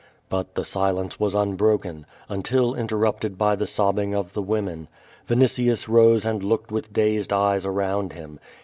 But the silence was unl)roken, until interrupted by the sob bing of the women. Yinitius rose and looked with dazed eyes around him.